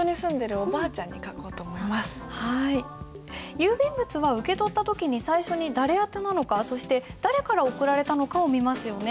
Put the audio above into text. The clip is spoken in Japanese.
郵便物は受け取った時に最初に誰宛てなのかそして誰から送られたのかを見ますよね。